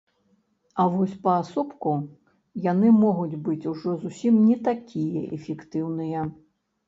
А вось паасобку яны могуць быць ужо зусім не такія эфектыўныя.